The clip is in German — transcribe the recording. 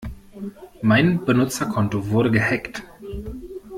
Mein Benutzerkonto wurde gehackt.